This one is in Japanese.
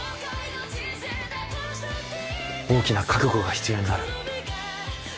大きな覚悟が必要になる。